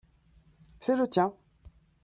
c'est le tien.